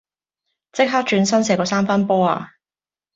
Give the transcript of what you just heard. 即刻轉身射個三分波呀